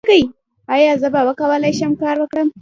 ایا زه به وکولی شم کار وکړم؟